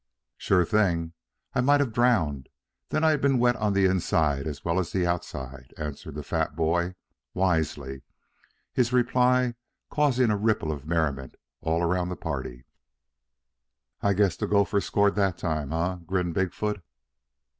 "Sure thing. I might have drowned; then I'd been wet on the inside as well as the outside," answered the fat boy, wisely, his reply causing a ripple of merriment all around the party. "I guess the gopher scored that time, eh?" grinned Big foot.